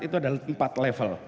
itu ada empat level